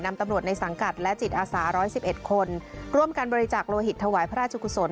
นำตำรวจในสังกัดและจิตอาสาร้อยสิบเอ็ดคนร่วมการบริจากโลหิตถวายพระราชกุศล